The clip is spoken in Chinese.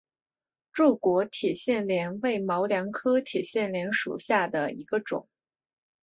柱果铁线莲为毛茛科铁线莲属下的一个种。